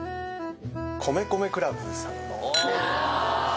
米米ＣＬＵＢさんの。